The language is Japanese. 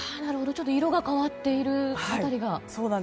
ちょっと色が変わっている辺りが。